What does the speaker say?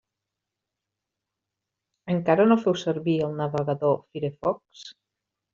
Encara no feu servir el navegador Firefox?